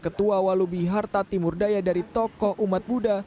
ketua walubi harta timur daya dari tokoh umat buddha